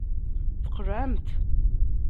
Tqelɛemt.